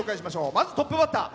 まずトップバッター。